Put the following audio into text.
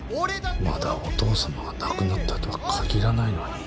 まだお父さまが亡くなったとは限らないのに。